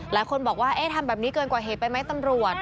หลายคนบอกว่าทำแบบนี้เกินกว่าเหตุไปไหมตำรวจ